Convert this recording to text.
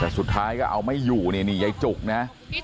แต่สุดท้ายก็เอาไม่อยู่นี่นี่ยายจุกนะ